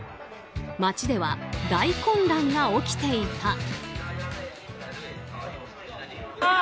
街では大混乱が起きていた。